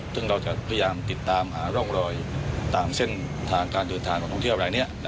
ซึ่งเราจะพยามติดตามหาร่องรอยต่างเส้นทางการเดินทางกับโทรเที่ยวอะไรนี้